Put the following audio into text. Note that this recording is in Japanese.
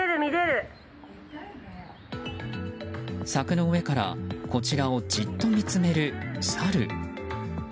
柵の上からこちらをじっと見つめるサル。